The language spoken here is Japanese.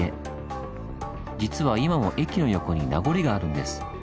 実は今も駅の横に名残があるんです。